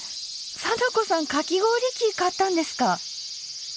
貞子さんかき氷器買ったんですか？